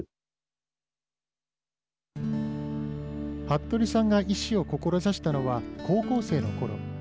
服部さんが医師を志したのは高校生のころ。